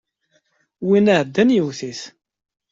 Win iɛeddan yewwet-it.